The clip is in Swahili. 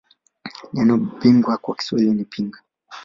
Neno Mbinga kwa Kiswahili ni Pinga